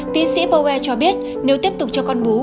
tiến sĩ powel cho biết nếu tiếp tục cho con bú